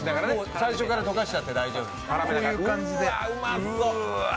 最初から溶かしちゃって大丈夫ですか？